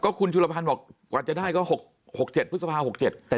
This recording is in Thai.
คุณชุลพันธ์บอกกว่าจะได้ก็๖๗พฤษภา๖๗แต่